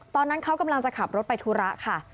ตอนนั้นเขากำลังจะขับรถไปธุระค่ะ